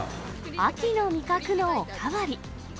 秋の味覚のお代わり。